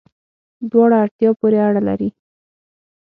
دواړه، اړتیا پوری اړه لری